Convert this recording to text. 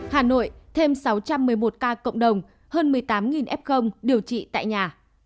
hà nội thêm sáu trăm một mươi một ca cộng đồng hơn một mươi tám f điều trị tại nhà